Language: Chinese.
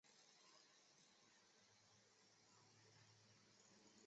通过后代带有父母显性基因的数量来推测繁殖的成效。